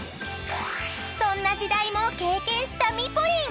［そんな時代も経験したミポリン］